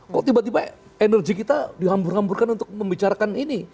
kok tiba tiba energi kita dihambur hamburkan untuk membicarakan ini